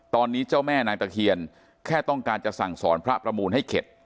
ตอนนี้เจ้าแม่นางตะเคียนแค่ต้องการจะสั่งสอนพระประมูลให้เข็ด